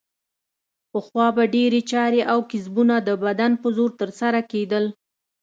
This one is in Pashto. پخوا به ډېرې چارې او کسبونه د بدن په زور ترسره کیدل.